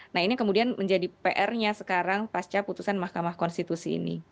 nah ini kemudian menjadi pr nya sekarang pasca putusan mahkamah konstitusi ini